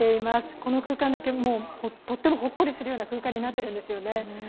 この空間だけとってもほっこりするような空間になっているんですよね。